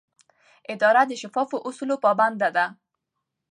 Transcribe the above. اداره د شفافو اصولو پابنده ده.